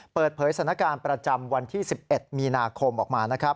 เปิดเผยสถานการณ์ประจำวันที่๑๑มีนาคมออกมานะครับ